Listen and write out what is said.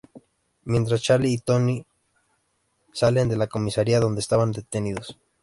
Mientras, Charlie y Toby salen de la comisaria donde estaban detenidos.